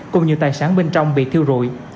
cùng nhiều tài sản bên trong bị thiêu rụi